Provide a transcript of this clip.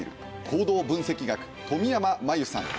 行動分析学冨山真由さん。